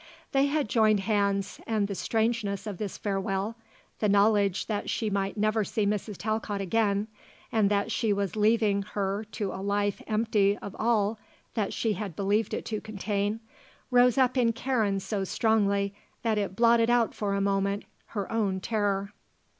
They had joined hands and the strangeness of this farewell, the knowledge that she might never see Mrs. Talcott again, and that she was leaving her to a life empty of all that she had believed it to contain, rose up in Karen so strongly that it blotted out for a moment her own terror.